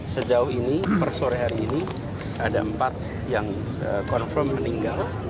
sejauh ini per sore hari ini ada empat yang confirm meninggal